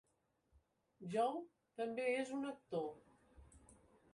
Joe també és un actor.